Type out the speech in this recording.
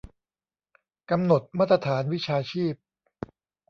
กำหนดมาตรฐานวิชาชีพ